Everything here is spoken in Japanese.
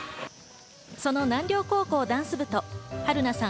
その南稜高校ダンス部と春菜さん